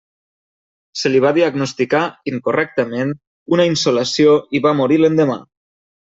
Se li va diagnosticar, incorrectament, una insolació i va morir l'endemà.